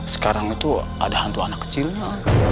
sekarang itu ada hantu anak kecilnya